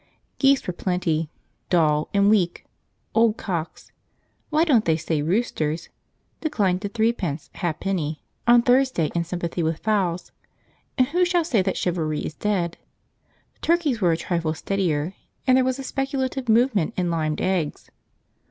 Geese were plenty, dull, and weak. Old cocks, why don't they say roosters? declined to threepence ha'penny on Thursday in sympathy with fowls, and who shall say that chivalry is dead? Turkeys were a trifle steadier, and there was a speculative movement in limed eggs.